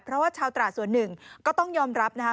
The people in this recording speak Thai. เพราะว่าชาวตราส่วนหนึ่งก็ต้องยอมรับนะคะ